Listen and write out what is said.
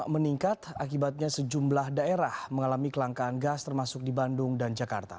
meningkat akibatnya sejumlah daerah mengalami kelangkaan gas termasuk di bandung dan jakarta